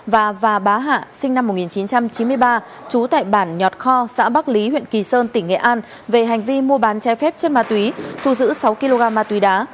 và bá hạ sinh năm một nghìn chín trăm chín mươi ba trú tại bản nhọt kho xã bắc lý huyện kỳ sơn tỉnh nghệ an về hành vi mua bán trái phép chất ma túy thu giữ sáu kg ma túy đá